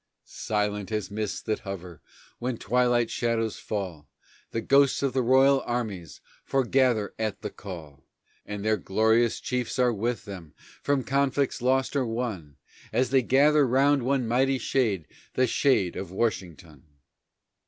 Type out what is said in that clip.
Silent as mists that hover When twilight shadows fall, The ghosts of the royal armies Foregather at the call; And their glorious chiefs are with them, From conflicts lost or won, As they gather round one mighty shade, The shade of Washington!